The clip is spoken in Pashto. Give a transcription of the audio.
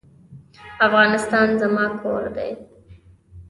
افغانستان زما کور دی